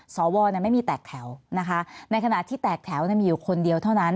สวไม่มีแตกแถวนะคะในขณะที่แตกแถวมีอยู่คนเดียวเท่านั้น